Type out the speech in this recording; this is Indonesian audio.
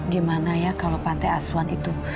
gimana ya kalau pantai asuhan itu